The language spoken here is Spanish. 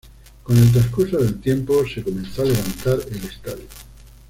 Con el transcurso del tiempo, se comenzó a levantar el estadio.